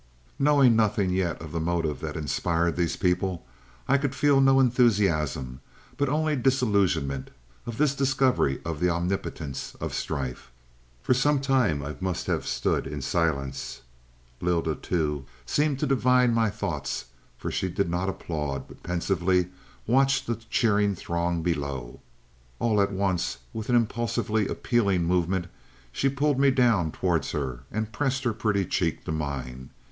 Knowing nothing yet of the motive that inspired these people, I could feel no enthusiasm, but only disillusionment at this discovery of the omnipotence of strife. "For some time I must have stood in silence. Lylda, too, seemed to divine my thoughts, for she did not applaud, but pensively watched the cheering throng below. All at once, with an impulsively appealing movement, she pulled me down towards her, and pressed her pretty cheek to mine.